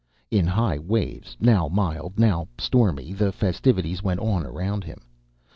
In high waves, now mild, now stormy, the festivities went on around him.